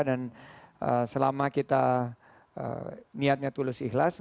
dan selama kita niatnya tulus ikhlas